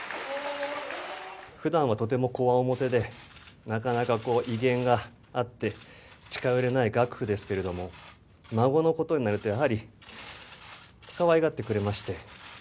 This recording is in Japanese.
ふだんはとてもこわもてで、なかなか威厳があって、近寄れない岳父ですけれども、孫のことになると、やはりかわいがってくれまして。